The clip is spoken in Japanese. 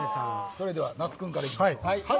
それでは那須君から行きましょう。